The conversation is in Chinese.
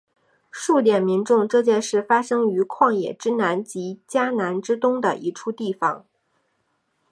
数点民众这件事发生于旷野之南及迦南之东的一处地方。